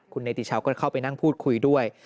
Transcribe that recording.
คุณเนติชาวก็เข้าไปนั่งพูดคุยด้วย